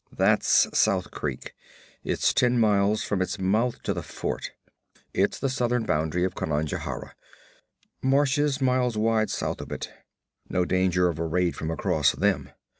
'That's South Creek; it's ten miles from its mouth to the fort. It's the southern boundary of Conajohara. Marshes miles wide south of it. No danger of a raid from across them.